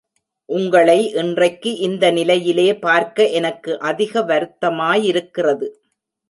உங்களை இன்றைக்கு இந்த நிலையிலே பார்க்க எனக்கு அதிக வருத்தமாயிருக்கிறது.